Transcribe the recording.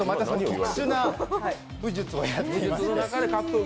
特殊な武術をやっていますので。